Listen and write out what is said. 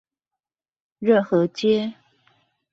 熱河街